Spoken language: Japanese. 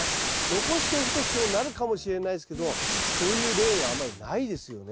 残しておくとそうなるかもしれないですけどそういう例があまりないですよね。